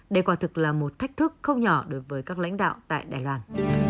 đây quả thực là một thách thức không nhỏ đối với các lãnh đạo tại đài loan